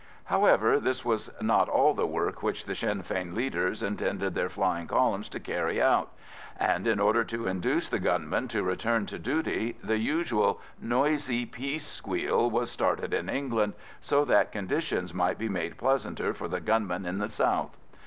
However, this was not all the work which the Sinn Fein leaders intended their flying columns to carry out, and in order to induce the gunmen to return to duty the usual noisy peace squeal was started in England, so that conditions might be made pleasanter for the gunmen in the south.